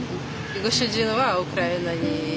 主人はウクライナに。